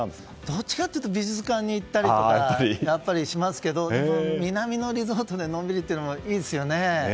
どちらかというと美術館に行ったりとかしますけど南のリゾートでのんびりというのもいいですね。